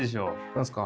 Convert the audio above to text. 何すか？